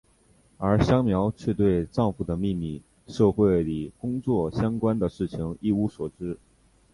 而香苗却对丈夫在秘密社会里工作相关的事情一无所知。